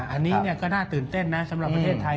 อันนี้ก็น่าตื่นเต้นนะสำหรับประเทศไทย